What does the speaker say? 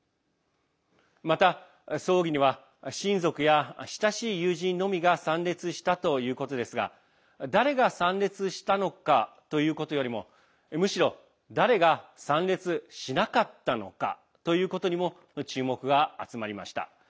また、葬儀には親族や親しい友人のみが参列したということですが誰が参列したのかということよりもむしろ、誰が参列しなかったのかということにも注目が集まりました。